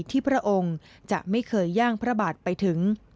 ที่พระองค์จะไม่เคย่้างภาบาทไปถึง